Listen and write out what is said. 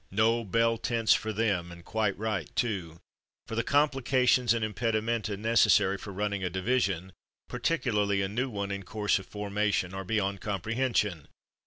No bell tents for them, and quite right too; for the complications and impedimenta neces sary for running a division, particularly a new one in course of formation, are beyond comprehension.